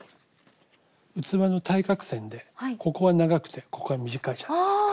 器の対角線でここは長くてここは短いじゃないですか。